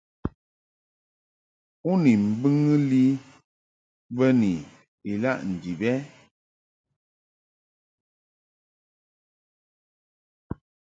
U ni mbɨŋɨ li bə ni ilaʼ ndib ɛ ?